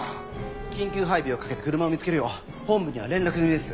緊急配備をかけて車を見つけるよう本部には連絡済みです。